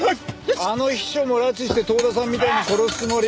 あの秘書も拉致して遠田さんみたいに殺すつもり？